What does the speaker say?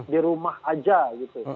di rumah saja gitu